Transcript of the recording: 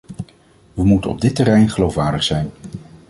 We moeten op dit terrein geloofwaardig zijn.